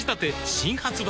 新発売